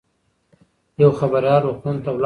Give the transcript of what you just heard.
یو خبریال روغتون ته ولاړ.